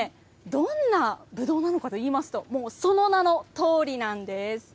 どんなぶどうなのかと言いますとその名のとおりなんです。